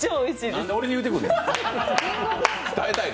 何で俺に言うてくんねん。